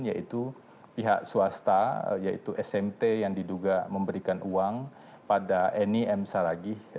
yaitu pihak swasta yaitu smt yang diduga memberikan uang pada nim saragih